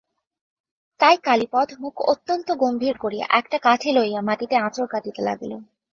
তাই কালীপদ মুখ অত্যন্ত গম্ভীর করিয়া একটা কাঠি লইয়া মাটিতে আঁচড় কাটিতে লাগিল।